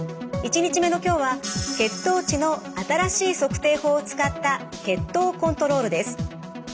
１日目の今日は血糖値の新しい測定法を使った血糖コントロールです。